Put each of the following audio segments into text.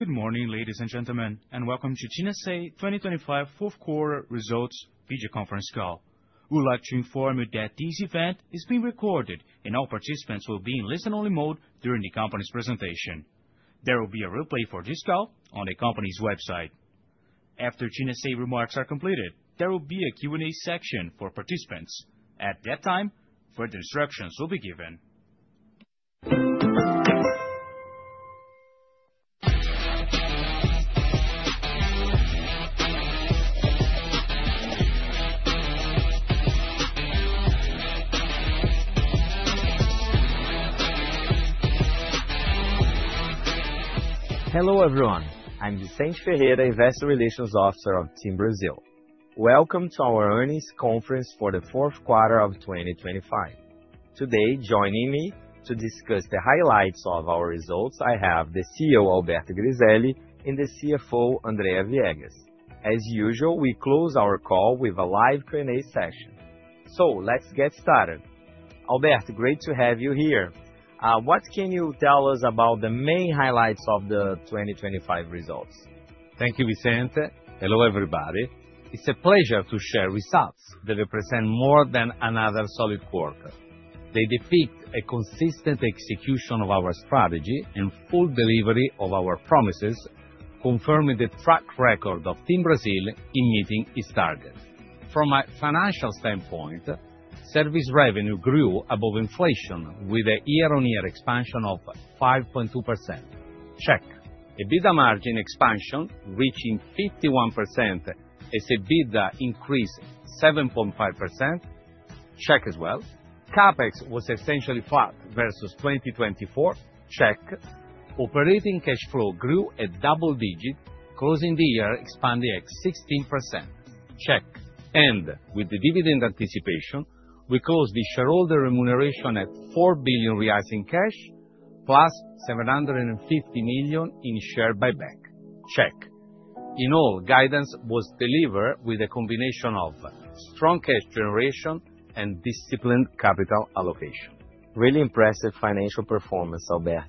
Good morning, ladies and gentlemen, and welcome to TIM S.A. 2025 fourth quarter results video conference call. We would like to inform you that this event is being recorded, and all participants will be in listen-only mode during the company's presentation. There will be a replay for this call on the company's website. After TIM S.A. remarks are completed, there will be a Q&A section for participants. At that time, further instructions will be given. Hello, everyone. I'm Vicente Ferreira, Investor Relations Officer of TIM Brasil. Welcome to our earnings conference for the fourth quarter of 2025. Today, joining me to discuss the highlights of our results, I have the CEO, Alberto Griselli, and the CFO, Andréa Viegas. As usual, we close our call with a live Q&A session. So let's get started. Alberto, great to have you here. What can you tell us about the main highlights of the 2025 results? Thank you, Vicente. Hello, everybody. It's a pleasure to share results that represent more than another solid quarter. They depict a consistent execution of our strategy and full delivery of our promises, confirming the track record of TIM Brasil in meeting its targets. From a financial standpoint, service revenue grew above inflation with a year-on-year expansion of 5.2%. Check. EBITDA margin expansion, reaching 51%, as EBITDA increased 7.5%. Check as well. CapEx was essentially flat versus 2024. Check. Operating cash flow grew at double-digit, closing the year, expanding at 16%. Check. With the dividend anticipation, we closed the shareholder remuneration at 4 billion reais in cash, plus 750 million in share buyback. Check. In all, guidance was delivered with a combination of strong cash generation and disciplined capital allocation. Really impressive financial performance, Alberto.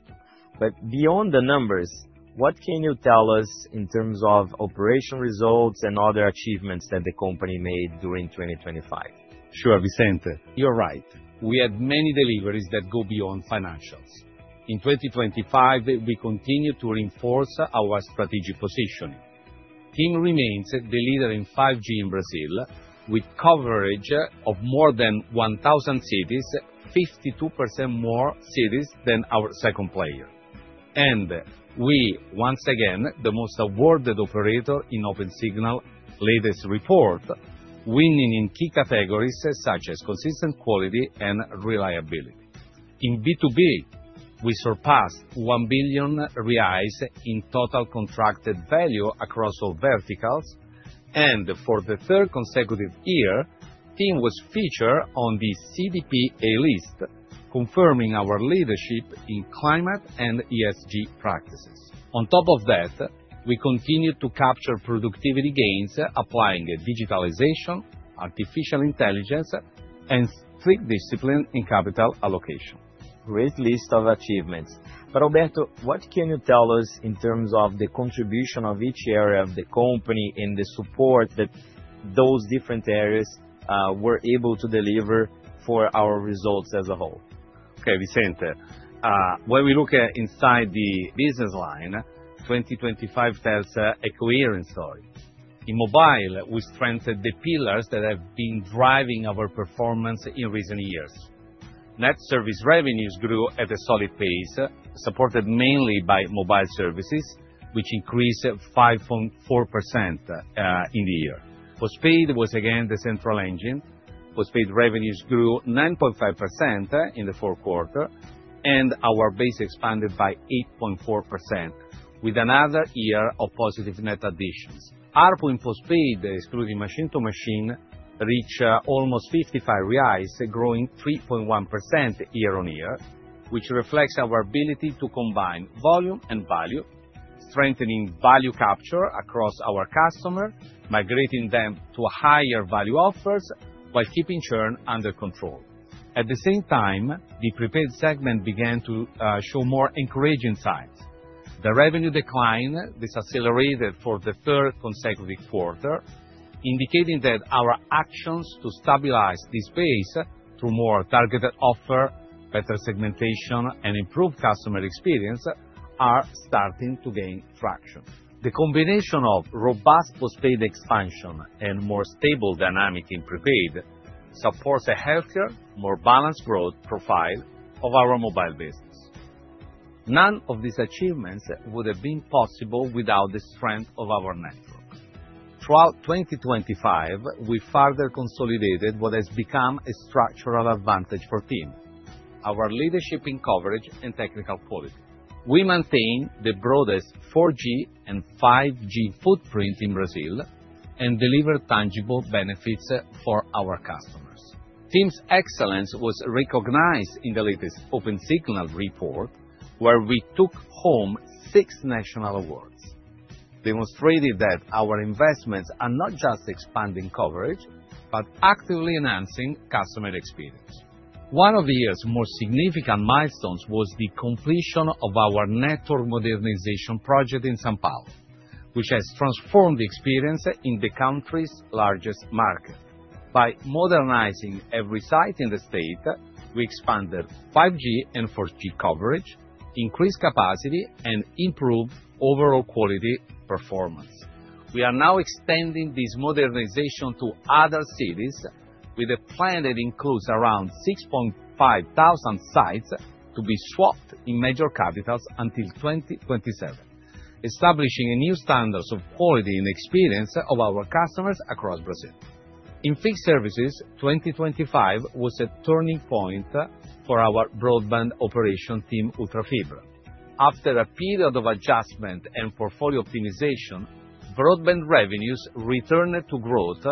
But beyond the numbers, what can you tell us in terms of operational results and other achievements that the company made during 2025? Sure, Vicente, you're right. We had many deliveries that go beyond financials. In 2025, we continued to reinforce our strategic position. TIM remains the leader in 5G in Brazil, with coverage of more than 1,000 cities, 52% more cities than our second player. We, once again, the most awarded operator in Opensignal's latest report, winning in key categories such as consistent quality and reliability. In B2B, we surpassed 1 billion reais in total contracted value across all verticals, and for the third consecutive year, TIM was featured on the CDP A List, confirming our leadership in climate and ESG practices. On top of that, we continued to capture productivity gains, applying digitalization, artificial intelligence, and strict discipline in capital allocation. Great list of achievements. But Alberto, what can you tell us in terms of the contribution of each area of the company and the support that those different areas were able to deliver for our results as a whole? Okay, Vicente. When we look at inside the business line, 2025 tells a coherent story. In mobile, we strengthened the pillars that have been driving our performance in recent years. Net service revenues grew at a solid pace, supported mainly by mobile services, which increased 5.4% in the year. Postpaid was again the central engine. Postpaid revenues grew 9.5% in the fourth quarter, and our base expanded by 8.4% with another year of positive net additions. ARPU in postpaid, excluding machine-to-machine, reach almost 55 reais, growing 3.1% year-on-year, which reflects our ability to combine volume and value, strengthening value capture across our customer, migrating them to higher value offers, while keeping churn under control. At the same time, the prepaid segment began to show more encouraging signs. The revenue decline decelerated for the third consecutive quarter, indicating that our actions to stabilize this base through more targeted offer, better segmentation, and improved customer experience are starting to gain traction. The combination of robust postpaid expansion and more stable dynamic in prepaid supports a healthier, more balanced growth profile of our mobile business. None of these achievements would have been possible without the strength of our networks. Throughout 2025, we further consolidated what has become a structural advantage for TIM, our leadership in coverage and technical quality. We maintain the broadest 4G and 5G footprint in Brazil and deliver tangible benefits for our customers. TIM's excellence was recognized in the latest Opensignal report, where we took home six national awards... demonstrated that our investments are not just expanding coverage, but actively enhancing customer experience. One of the year's more significant milestones was the completion of our network modernization project in São Paulo, which has transformed the experience in the country's largest market. By modernizing every site in the state, we expanded 5G and 4G coverage, increased capacity, and improved overall quality performance. We are now extending this modernization to other cities, with a plan that includes around 6,500 sites to be swapped in major capitals until 2027, establishing a new standards of quality and experience of our customers across Brazil. In fixed services, 2025 was a turning point for our broadband operation team, UltraFibra. After a period of adjustment and portfolio optimization, broadband revenues returned to growth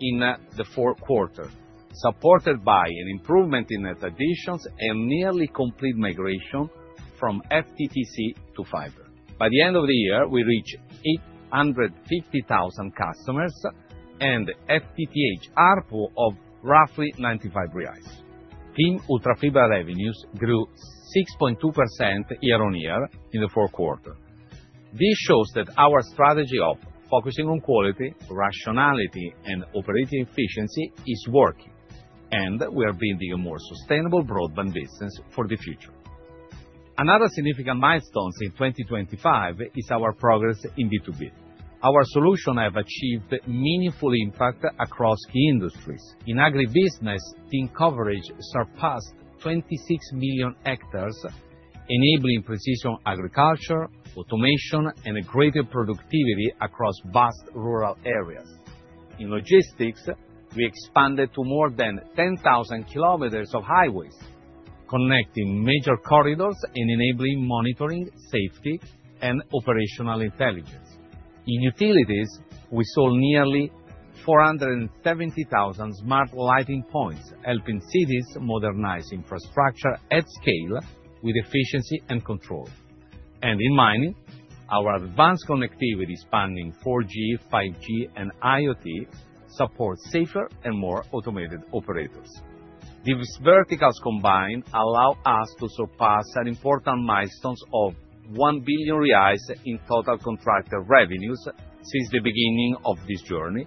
in the fourth quarter, supported by an improvement in net additions and nearly complete migration from FTTC to fiber. By the end of the year, we reached 850,000 customers, and FTTH ARPU of roughly BRL 95. TIM UltraFibra revenues grew 6.2% year-on-year in the fourth quarter. This shows that our strategy of focusing on quality, rationality, and operating efficiency is working, and we are building a more sustainable broadband business for the future. Another significant milestones in 2025 is our progress in B2B. Our solution have achieved meaningful impact across key industries. In agribusiness, TIM coverage surpassed 26 million hectares, enabling precision agriculture, automation, and greater productivity across vast rural areas. In logistics, we expanded to more than 10,000 km of highways, connecting major corridors and enabling monitoring, safety, and operational intelligence. In utilities, we sold nearly 470,000 smart lighting points, helping cities modernize infrastructure at scale with efficiency and control. And in mining, our advanced connectivity, spanning 4G, 5G, and IoT, supports safer and more automated operators. These verticals combined allow us to surpass an important milestone of 1 billion reais in total contracted revenues since the beginning of this journey,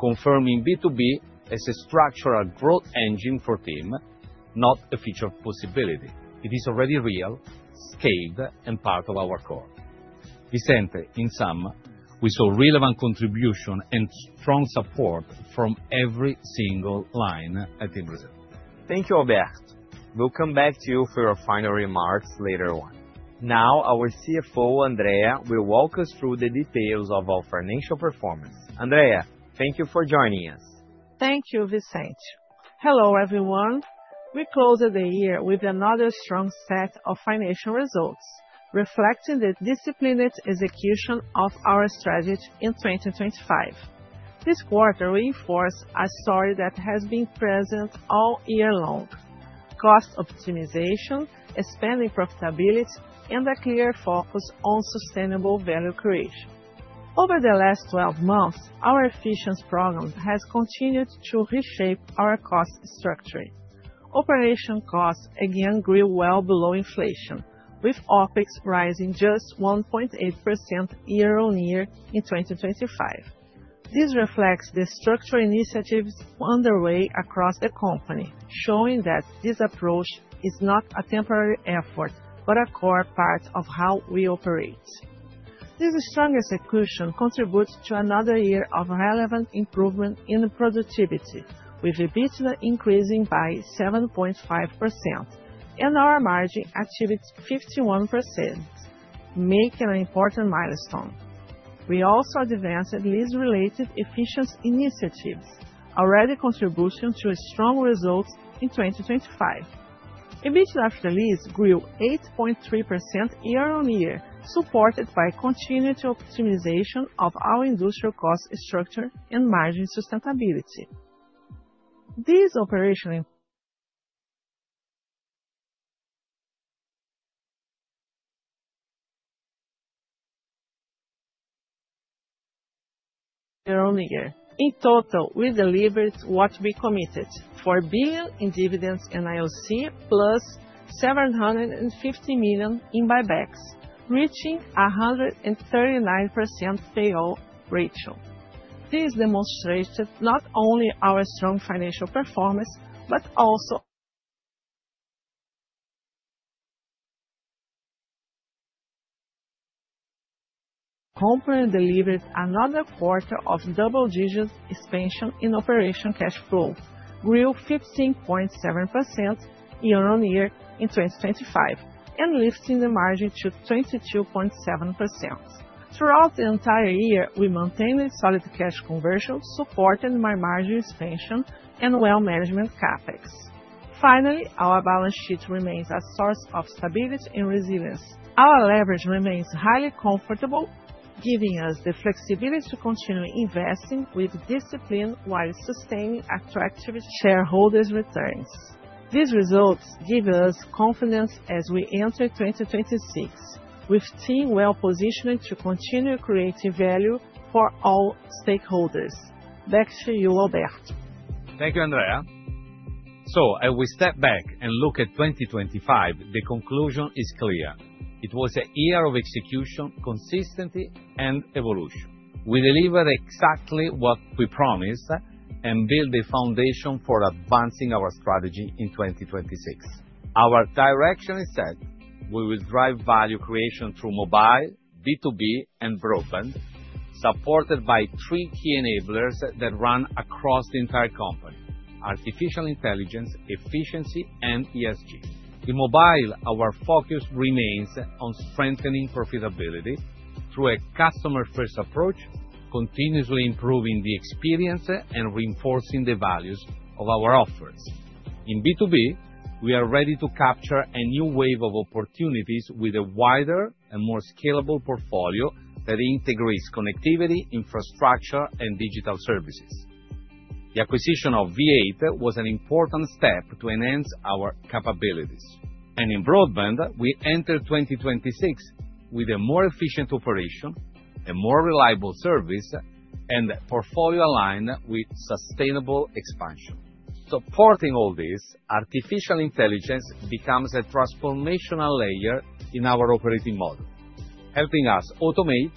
confirming B2B as a structural growth engine for TIM, not a future possibility. It is already real, scaled, and part of our core. Vicente, in sum, we saw relevant contribution and strong support from every single line at TIM Brasil. Thank you, Alberto. We'll come back to you for your final remarks later on. Now, our CFO, Andrea, will walk us through the details of our financial performance. Andrea, thank you for joining us. Thank you, Vicente. Hello, everyone. We closed the year with another strong set of financial results, reflecting the disciplined execution of our strategy in 2025. This quarter reinforced a story that has been present all year long: cost optimization, expanding profitability, and a clear focus on sustainable value creation. Over the last 12 months, our efficiency program has continued to reshape our cost structure. Operating costs again grew well below inflation, with OpEx rising just 1.8% year-on-year in 2025. This reflects the structural initiatives underway across the company, showing that this approach is not a temporary effort, but a core part of how we operate. This strong execution contributes to another year of relevant improvement in productivity, with EBITDA increasing by 7.5%, and our margin achieves 51%, making an important milestone. We also advanced lease-related efficiency initiatives, already contributing to strong results in 2025. EBITDA after lease grew 8.3% year-on-year, supported by continued optimization of our industrial cost structure and margin sustainability. In total, we delivered what we committed, 4 billion in dividends and IOC, plus 750 million in buybacks, reaching a 139% payout ratio. This demonstrates not only our strong financial performance, but also... company delivered another quarter of double-digit expansion in operating cash flow, grew 15.7% year-on-year in 2025, and lifting the margin to 22.7%. Throughout the entire year, we maintained a solid cash conversion, supporting our margin expansion and well-managed CapEx. Finally, our balance sheet remains a source of stability and resilience. Our leverage remains highly comfortable, giving us the flexibility to continue investing with discipline while sustaining attractive shareholders' returns. These results give us confidence as we enter 2026, with TIM well-positioned to continue creating value for all stakeholders. Back to you, Alberto.... Thank you, Andrea. As we step back and look at 2025, the conclusion is clear: it was a year of execution, consistency, and evolution. We delivered exactly what we promised, and built the foundation for advancing our strategy in 2026. Our direction is set. We will drive value creation through mobile, B2B, and broadband, supported by three key enablers that run across the entire company: artificial intelligence, efficiency, and ESG. In mobile, our focus remains on strengthening profitability through a customer-first approach, continuously improving the experience, and reinforcing the values of our offers. In B2B, we are ready to capture a new wave of opportunities with a wider and more scalable portfolio that integrates connectivity, infrastructure, and digital services. The acquisition of V8 was an important step to enhance our capabilities. In broadband, we enter 2026 with a more efficient operation, a more reliable service, and a portfolio aligned with sustainable expansion. Supporting all this, artificial intelligence becomes a transformational layer in our operating model, helping us automate,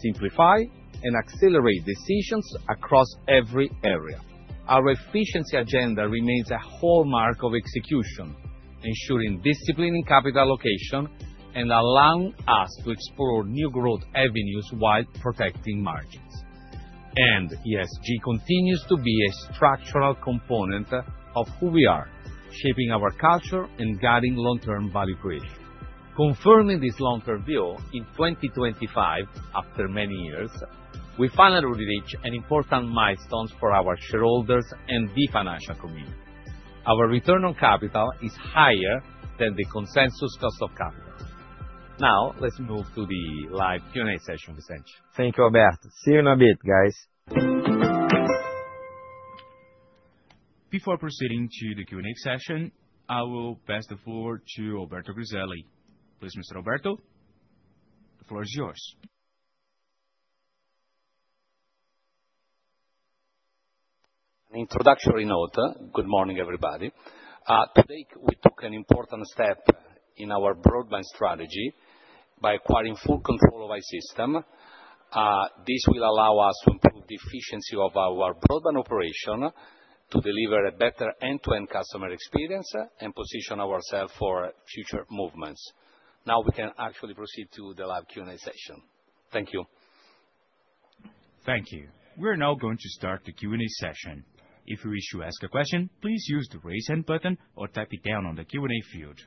simplify, and accelerate decisions across every area. Our efficiency agenda remains a hallmark of execution, ensuring discipline in capital allocation and allowing us to explore new growth avenues while protecting margins. And ESG continues to be a structural component of who we are, shaping our culture and guiding long-term value creation. Confirming this long-term view, in 2025, after many years, we finally reached an important milestone for our shareholders and the financial community. Our return on capital is higher than the consensus cost of capital. Now, let's move to the live Q&A session, Vicente. Thank you, Alberto. See you in a bit, guys. Before proceeding to the Q&A session, I will pass the floor to Alberto Griselli. Please, Mr. Alberto, the floor is yours. An introductory note. Good morning, everybody. Today, we took an important step in our broadband strategy by acquiring full control of I-Systems. This will allow us to improve the efficiency of our broadband operation, to deliver a better end-to-end customer experience, and position ourselves for future movements. Now, we can actually proceed to the live Q&A session. Thank you. Thank you. We're now going to start the Q&A session. If you wish to ask a question, please use the Raise Hand button or type it down on the Q&A field.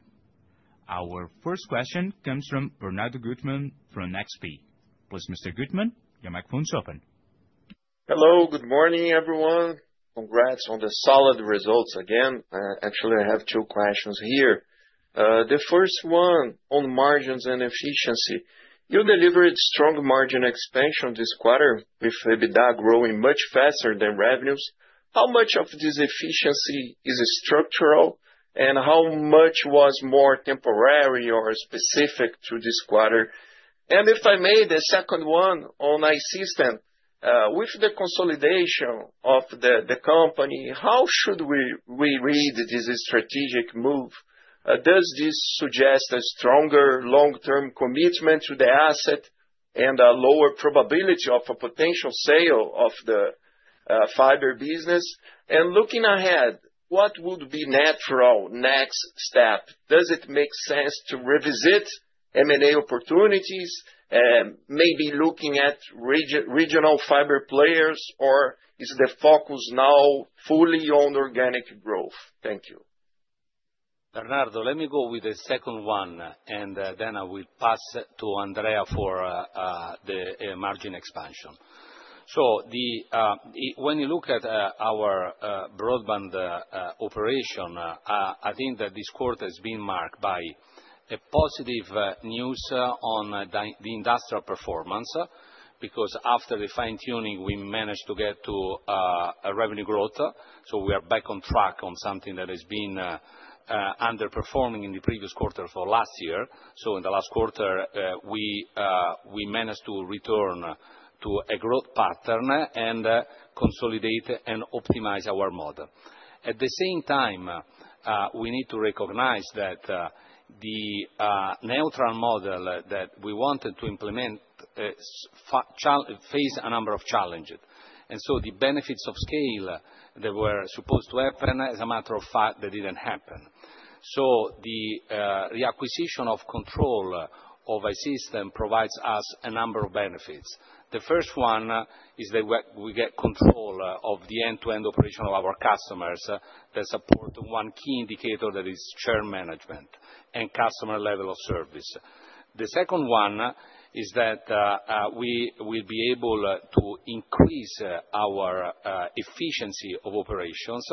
Our first question comes from Bernardo Guttmann, from XP. Please, Mr. Guttmann, your microphone is open. Hello, good morning, everyone. Congrats on the solid results again. Actually, I have two questions here. The first one on margins and efficiency. You delivered strong margin expansion this quarter, with EBITDA growing much faster than revenues. How much of this efficiency is structural, and how much was more temporary or specific to this quarter? And if I may, the second one on I-Systems. With the consolidation of the company, how should we read this strategic move? Does this suggest a stronger long-term commitment to the asset, and a lower probability of a potential sale of the fiber business? And looking ahead, what would be natural next step? Does it make sense to revisit M&A opportunities, maybe looking at regional fiber players, or is the focus now fully on organic growth? Thank you. Bernardo, let me go with the second one, and then I will pass it to Andrea for the margin expansion. So when you look at our broadband operation, I think that this quarter has been marked by positive news on the industrial performance, because after the fine-tuning, we managed to get to a revenue growth. So we are back on track on something that has been underperforming in the previous quarter for last year. So in the last quarter, we managed to return to a growth pattern, and consolidate and optimize our model. At the same time, we need to recognize that the neutral model that we wanted to implement faced a number of challenges. The benefits of scale that were supposed to happen, as a matter of fact, they didn't happen. The acquisition of control of I-Systems provides us a number of benefits. The first one is that we get control of the end-to-end operation of our customers, that support one key indicator that is share management and customer level of service. The second one is that we will be able to increase our efficiency of operations.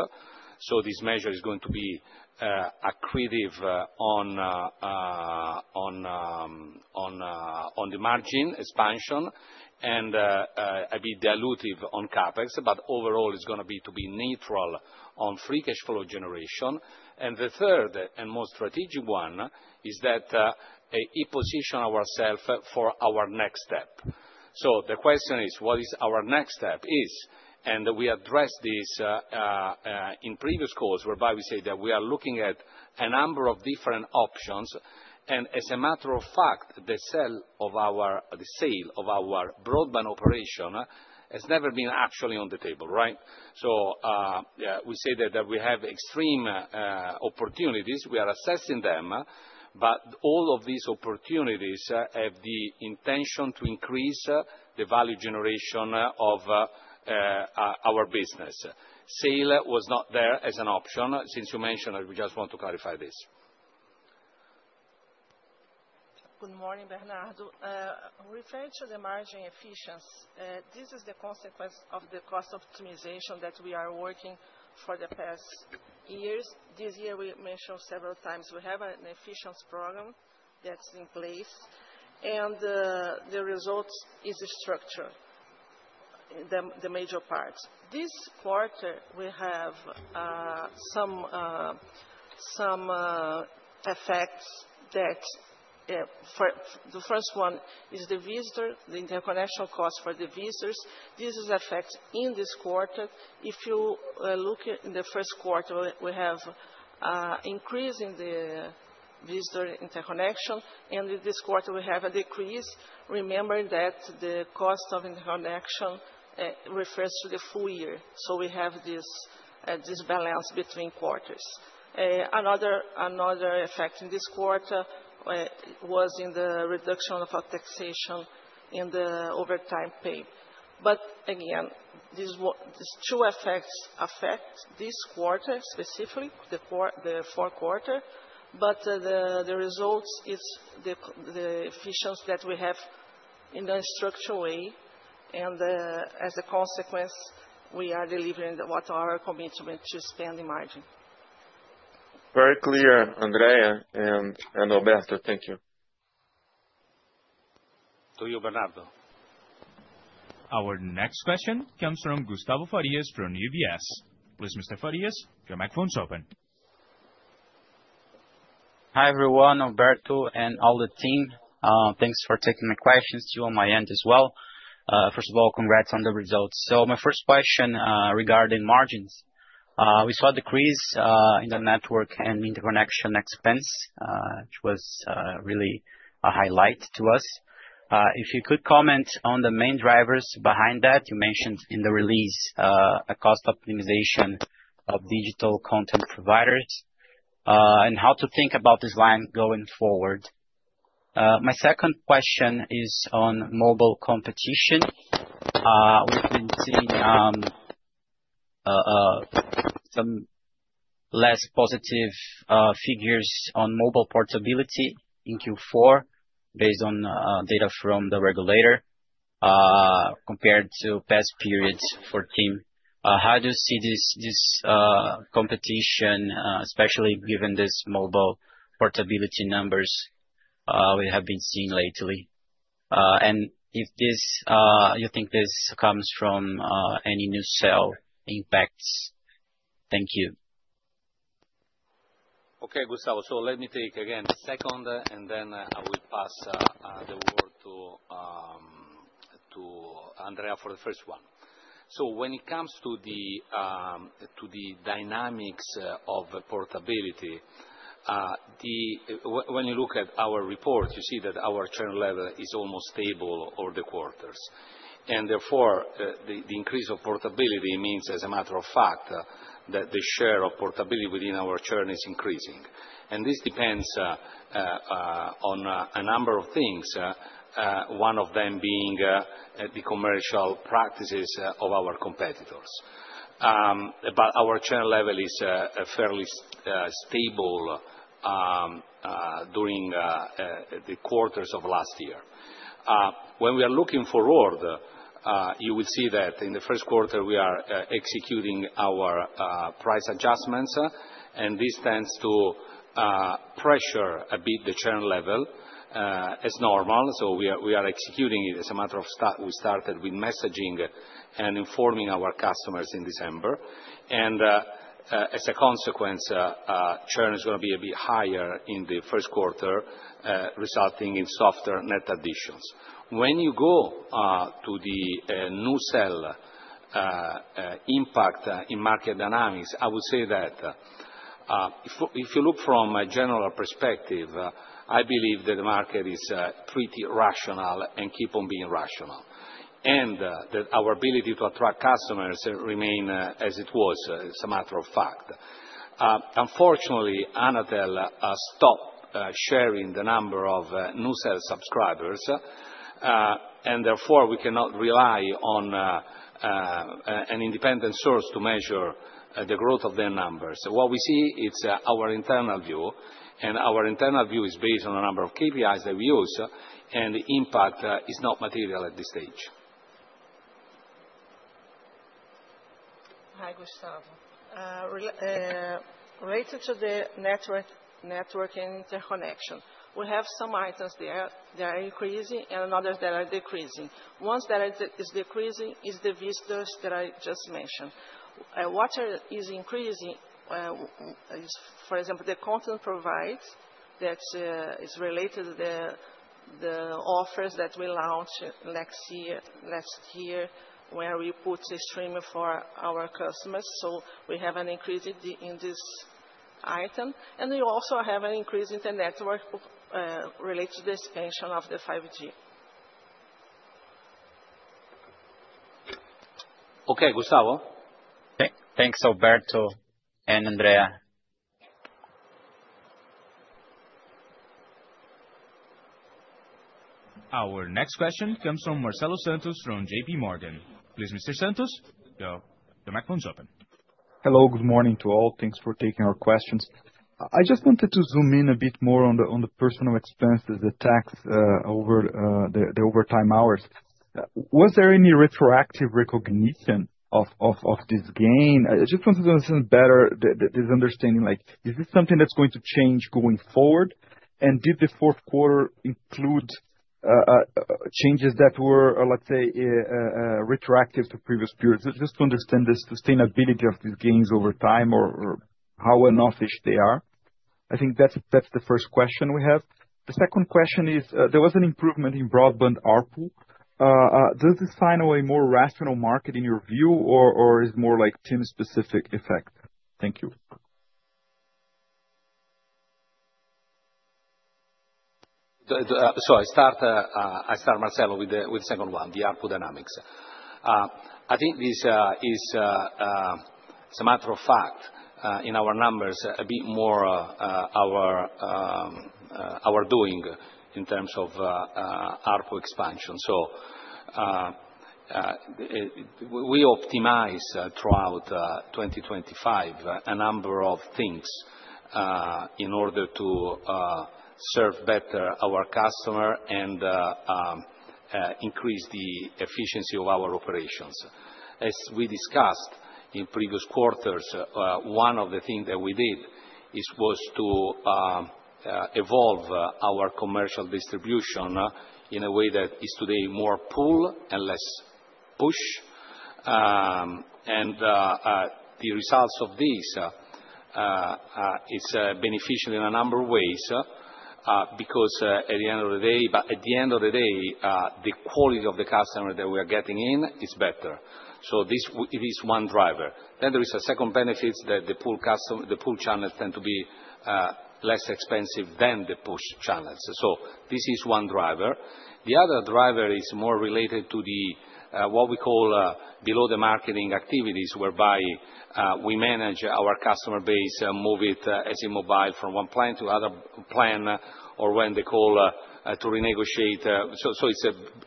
This measure is going to be accretive on the margin expansion, and a bit dilutive on CapEx. But overall, it's gonna be neutral on free cash flow generation, and the third, and most strategic one, is that it position ourself for our next step. So the question is, what is our next step? And we addressed this in previous calls, whereby we say that we are looking at a number of different options, and as a matter of fact, the sell of our-- the sale of our broadband operation has never been actually on the table, right? So, yeah, we say that, that we have extreme opportunities. We are assessing them, but all of these opportunities have the intention to increase the value generation of our business. Sale was not there as an option. Since you mentioned it, we just want to clarify this. Good morning, Bernardo. Referring to the margin efficiency, this is the consequence of the cost optimization that we are working for the past years. This year, we mentioned several times we have an efficiency program that's in place, and the results is a structure, the major parts. This quarter, we have some effects that first, the first one is the visitor, the interconnection cost for the visitors. This is effect in this quarter. If you look in the first quarter, we have increase in the visitor interconnection, and in this quarter we have a decrease. Remember that the cost of interconnection refers to the full year, so we have this balance between quarters. Another effect in this quarter was in the reduction of our taxation in the overtime pay. But again, these two effects affect this quarter, specifically the fourth quarter, but the results is the efficiency that we have in a structural way, and, as a consequence, we are delivering what our commitment to spending margin. Very clear, Andrea and Alberto. Thank you. To you, Bernardo. Our next question comes from Gustavo Farias from UBS. Please, Mr. Farias, your microphone's open. Hi, everyone, Alberto, and all the team. Thanks for taking my questions to you on my end as well. First of all, congrats on the results. So my first question regarding margins. We saw a decrease in the network and interconnection expense, which was really a highlight to us. If you could comment on the main drivers behind that. You mentioned in the release a cost optimization of digital content providers, and how to think about this line going forward. My second question is on mobile competition. We've been seeing some less positive figures on mobile portability in Q4, based on data from the regulator, compared to past periods for TIM. How do you see this, this, competition, especially given this mobile portability numbers we have been seeing lately? And if this, you think this comes from, any NuCel impacts? Thank you. Okay, Gustavo, so let me take again the second, and then I will pass the word to Andrea for the first one. So when it comes to the dynamics of portability, when you look at our report, you see that our churn level is almost stable over the quarters. And therefore the increase of portability means, as a matter of fact, that the share of portability within our churn is increasing. And this depends on a number of things, one of them being the commercial practices of our competitors. But our churn level is a fairly stable during the quarters of last year. When we are looking forward, you will see that in the first quarter we are executing our price adjustments, and this tends to pressure a bit the churn level, as normal. So we are executing it. As a matter of start, we started with messaging and informing our customers in December, and as a consequence, churn is gonna be a bit higher in the first quarter, resulting in softer net additions. When you go to the NuCel impact in market dynamics, I would say that if you look from a general perspective, I believe that the market is pretty rational and keep on being rational, and that our ability to attract customers remain as it was, as a matter of fact. Unfortunately, Anatel stopped sharing the number of NuCel subscribers, and therefore, we cannot rely on an independent source to measure the growth of their numbers. What we see, it's our internal view, and our internal view is based on a number of KPIs that we use, and the impact is not material at this stage.... Gustavo, related to the network, network and interconnection, we have some items that are increasing and others that are decreasing. Ones that are decreasing is the visitors that I just mentioned. What is increasing is, for example, the content providers that is related to the offers that we launched last year, where we put the streamer for our customers, so we have an increase in this item, and we also have an increase in the network related to the expansion of the 5G. Okay, Gustavo. Thanks, Alberto and Andrea. Our next question comes from Marcelo Santos from J.P. Morgan. Please, Mr. Santos, go. The microphone is open. Hello, good morning to all. Thanks for taking our questions. I just wanted to zoom in a bit more on the personal expenses, the tax over the overtime hours. Was there any retroactive recognition of this gain? I just want to understand better this understanding, like is this something that's going to change going forward? And did the fourth quarter include changes that were, let's say, retroactive to previous periods? Just to understand the sustainability of these gains over time or how enoughish they are. I think that's the first question we have. The second question is, there was an improvement in broadband ARPU. Does this sign a more rational market in your view, or is more like TIM-specific effect? Thank you. So I start, Marcelo, with the second one, the ARPU dynamics. I think this is, as a matter of fact, in our numbers, a bit more our doing in terms of ARPU expansion. So we optimize throughout 2025, a number of things, in order to serve better our customer and increase the efficiency of our operations. As we discussed in previous quarters, one of the things that we did was to evolve our commercial distribution in a way that is today more pull and less push. And the results of this is beneficial in a number of ways, because at the end of the day, but at the end of the day, the quality of the customer that we are getting in is better. So this it is one driver. Then there is a second benefit, that the pull customer, the pull channels tend to be less expensive than the push channels. So this is one driver. The other driver is more related to the what we call below-the-marketing activities, whereby we manage our customer base, move it, as in mobile, from one plan to other plan, or when they call to renegotiate. So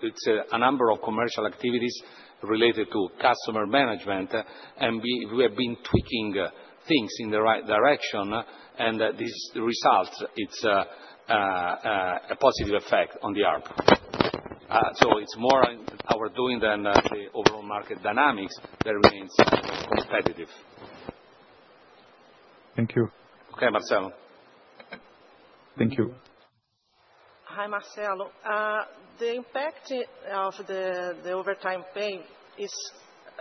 it's a number of commercial activities related to customer management, and we have been tweaking things in the right direction, and this results. It's a positive effect on the ARPU. So it's more on our doing than the overall market dynamics that remains competitive. Thank you. Okay, Marcelo. Thank you. Hi, Marcelo. The impact of the, the overtime pay is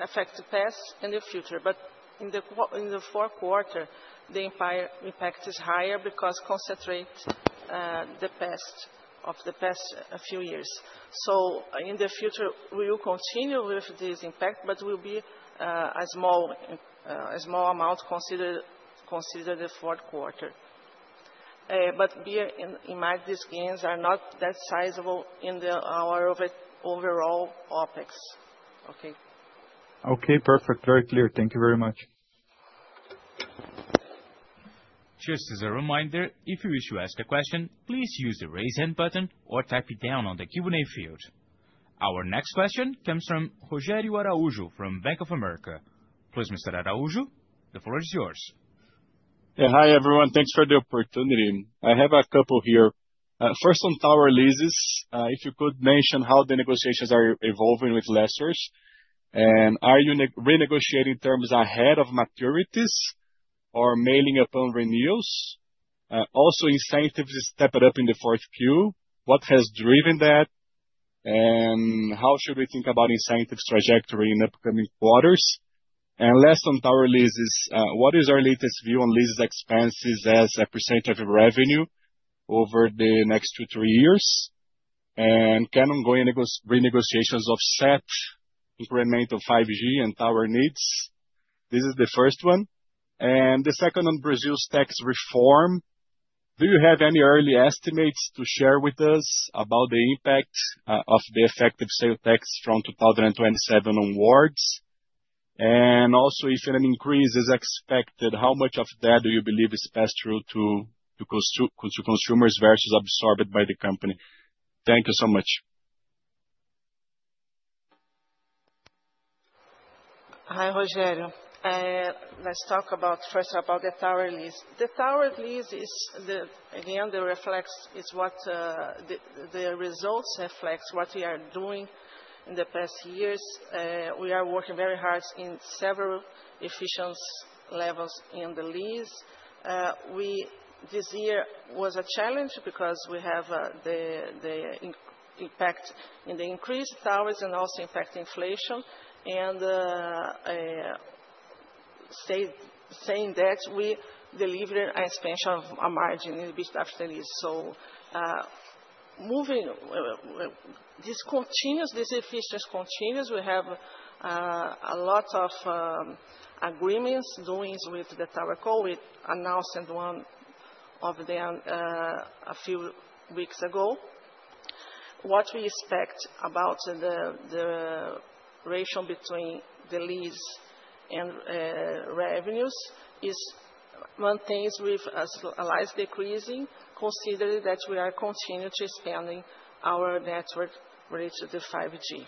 affect the past and the future, but in the fourth quarter, the entire impact is higher because concentrate, the past, of the past few years. So in the future, we will continue with this impact, but will be, a small, a small amount considered, considered the fourth quarter. But we are in, in mind, these gains are not that sizable in the, our overall OpEx. Okay? Okay, perfect. Very clear. Thank you very much. Just as a reminder, if you wish to ask a question, please use the Raise Hand button or type it down on the Q&A field. Our next question comes from Rogério Araújo from Bank of America. Please, Mr. Araújo, the floor is yours. Yeah. Hi, everyone. Thanks for the opportunity. I have a couple here. First, on tower leases, if you could mention how the negotiations are evolving with lessors, and are you renegotiating terms ahead of maturities or mainly upon renewals? Also, incentives stepped up in the fourth Q, what has driven that, and how should we think about incentives trajectory in upcoming quarters? And last, on tower leases, what is our latest view on leases expenses as a percentage of revenue over the next two, three years? And can ongoing renegotiations offset incremental 5G and tower needs? This is the first one. And the second on Brazil's tax reform: Do you have any early estimates to share with us about the impact of the effective sales tax from 2027 onwards? Also, if an increase is expected, how much of that do you believe is passed through to consumers versus absorbed by the company? Thank you so much. Hi, Rogério. Let's talk about first the tower lease. The tower lease is, again, the results reflect what we are doing in the past years. We are working very hard in several efficiency levels in the lease. This year was a challenge because we have the impact in the increased towers and also impact inflation. Saying that, we delivered an expansion of our margin in spite of this. This efficiency continues. We have a lot of agreements, doings with the towerco. We announced one of them a few weeks ago. What we expect about the ratio between the lease and revenues is maintains with a slight decreasing, considering that we are continuing to expanding our network related to the 5G.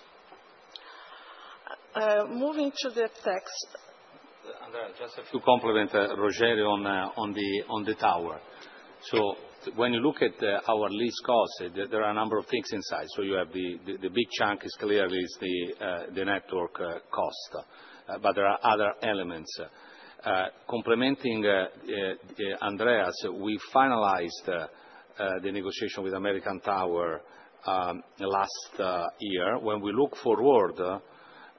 Moving to the tax- Just to complement Rogério on the tower. So when you look at our lease costs, there are a number of things inside. So you have the big chunk is clearly the network cost, but there are other elements. Complementing Andreas, we finalized the negotiation with American Tower last year. When we look forward,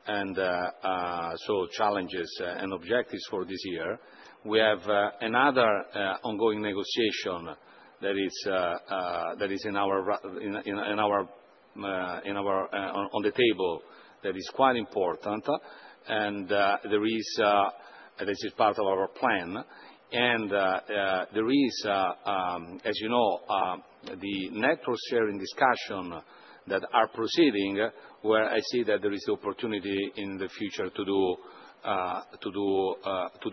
so challenges and objectives for this year, we have another ongoing negotiation that is on the table that is quite important. This is part of our plan, and there is, as you know, the network sharing discussion that are proceeding, where I see that there is opportunity in the future to do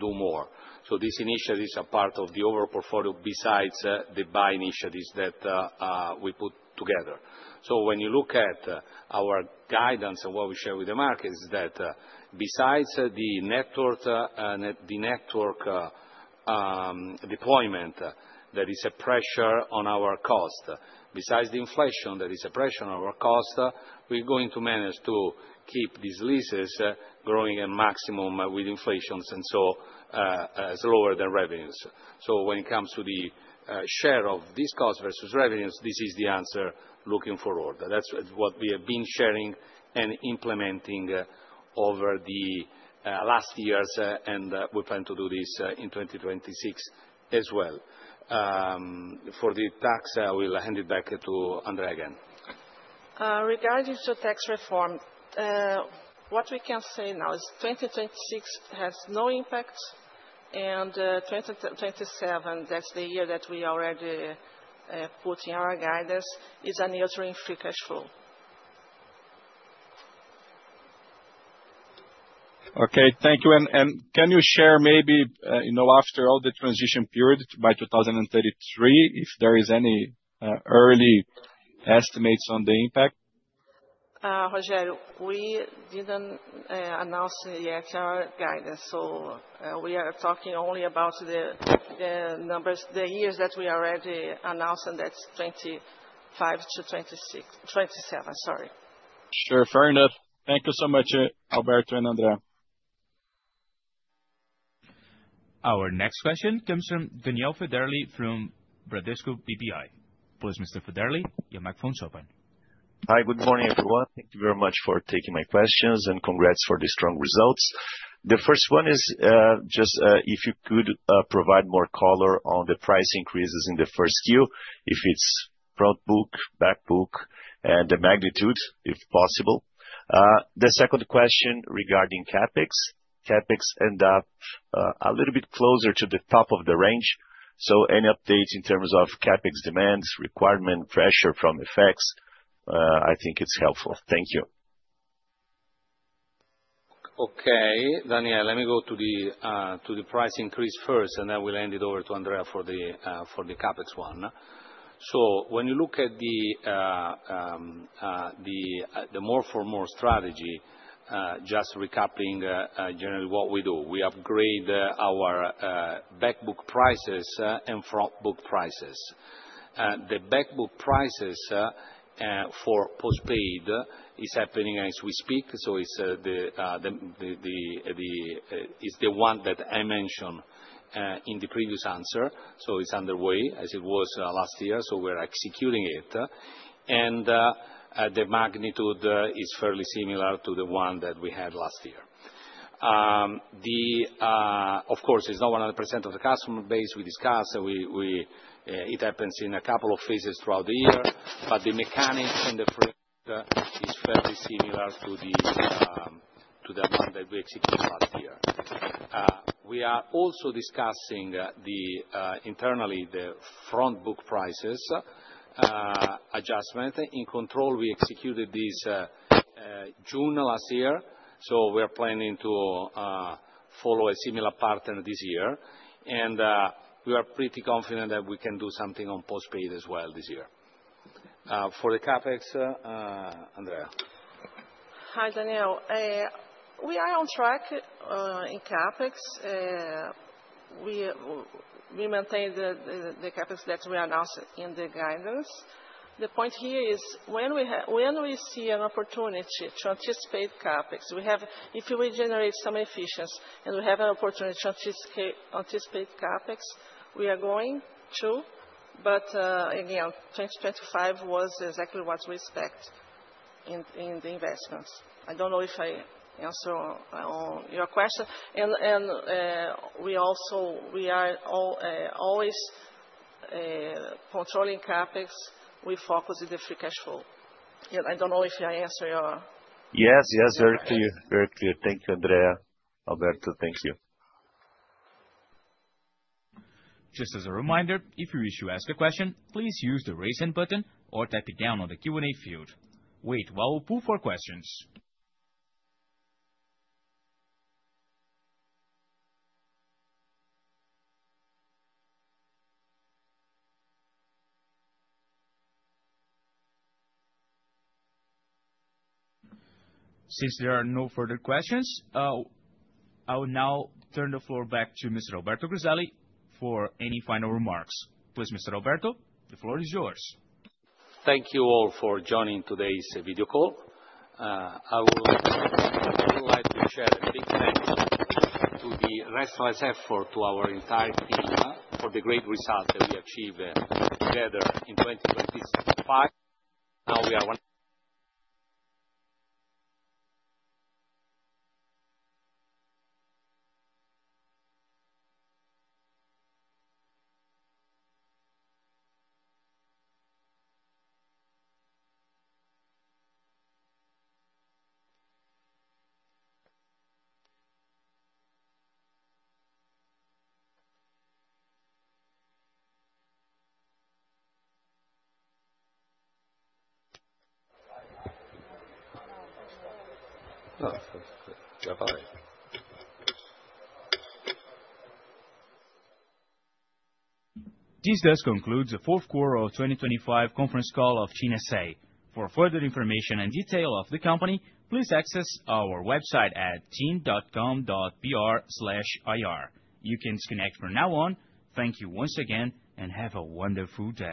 more. So this initiative is a part of the overall portfolio, besides the buy initiatives that we put together. So when you look at our guidance and what we share with the market, is that besides the network deployment, there is a pressure on our cost. Besides the inflation, there is a pressure on our cost, we're going to manage to keep these leases growing a maximum with inflations and so slower than revenues. So when it comes to the share of this cost versus revenues, this is the answer looking forward. That's what we have been sharing and implementing over the last years and we plan to do this in 2026 as well. For the tax, I will hand it back to Andrea again. Regarding to tax reform, what we can say now is 2026 has no impact, and 2027, that's the year that we already put in our guidance, is neutral in free cash flow. Okay, thank you. Can you share maybe, you know, after all the transition period by 2033, if there is any early estimates on the impact? Rogério, we didn't announce yet our guidance, so, we are talking only about the numbers, the years that we already announced, and that's 2025-2026, 2027, sorry. Sure, fair enough. Thank you so much, Alberto and Andrea. Our next question comes from Daniel Federle from Bradesco BBI. Please, Mr. Federle, your microphone is open. Hi, good morning, everyone. Thank you very much for taking my questions, and congrats for the strong results. The first one is, just, if you could, provide more color on the price increases in the first Q, if it's frontbook, backbook, and the magnitude, if possible. The second question regarding CapEx. CapEx end up, a little bit closer to the top of the range, so any updates in terms of CapEx demands, requirement, pressure from effects, I think it's helpful. Thank you. Okay, Daniel, let me go to the price increase first, and then we'll hand it over to Andrea for the CapEx one. So when you look at the more for more strategy, just recapping, generally what we do, we upgrade our backbook prices and frontbook prices. The backbook prices for postpaid is happening as we speak, so it's the one that I mentioned in the previous answer. So it's underway as it was last year, so we're executing it. And the magnitude is fairly similar to the one that we had last year. Of course, it's not 100% of the customer base we discussed. It happens in a couple of phases throughout the year, but the mechanic and the frame is fairly similar to the one that we executed last year. We are also discussing internally the frontbook prices adjustment. In Q2, we executed this in June last year, so we are planning to follow a similar pattern this year. We are pretty confident that we can do something on postpaid as well this year. For the CapEx, Andrea? Hi, Daniel. We are on track in CapEx. We maintain the CapEx that we announced in the guidance. The point here is when we see an opportunity to anticipate CapEx, we have. If we generate some efficiency and we have an opportunity to anticipate CapEx, we are going to. But again, 2025 was exactly what we expect in the investments. I don't know if I answer all your question. And we also are always controlling CapEx, we focus on the free cash flow. Yeah, I don't know if I answer your- Yes, yes, very clear. Very clear. Thank you, Andrea. Alberto, thank you. Just as a reminder, if you wish to ask a question, please use the Raise Hand button or type it down on the Q&A field. Wait while we pull for questions. Since there are no further questions, I will now turn the floor back to Mr. Alberto Griselli for any final remarks. Please, Mr. Alberto, the floor is yours. Thank you all for joining today's video call. I would like to share a big thank you to the tireless effort of our entire team for the great result that we achieved, together in 2025. Now we are one- This does conclude the fourth quarter of 2025 conference call of TIM S.A. For further information and detail of the company, please access our website at tim.com.br/ir. You can disconnect from now on. Thank you once again, and have a wonderful day.